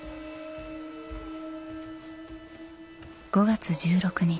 ５月１６日